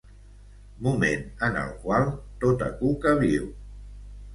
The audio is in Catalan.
Moment en el qual tota cua viu.